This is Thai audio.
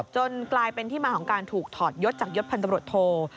จนกลายเป็นที่มาของการถูกถอดยศจากยศพันธบรวจโท